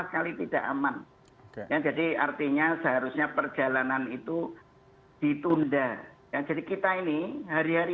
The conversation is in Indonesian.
sekali tidak aman ya jadi artinya seharusnya perjalanan itu ditunda dan jadi kita ini hari hari